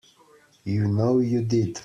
You know you did.